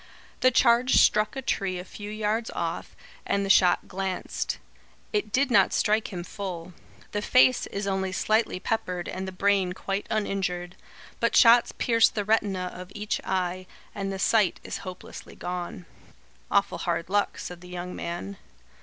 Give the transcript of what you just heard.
The charge struck a tree a few yards off, and the shot glanced. It did not strike him full. The face is only slightly peppered and the brain quite uninjured. But shots pierced the retina of each eye, and the sight is hopelessly gone." "Awful hard luck," said the young man.